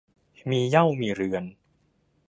มีเหย้ามีเรือน